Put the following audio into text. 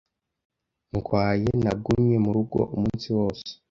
ndwaye, nagumye murugo umunsi wose.